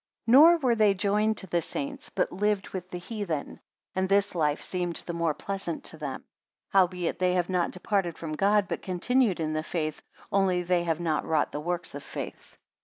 71 Nor were they joined to the saints, but lived with the heathen; and this life seemed the more pleasant to them. Howbeit they have not departed from God, but continued in the faith; only they have not wrought the works of faith.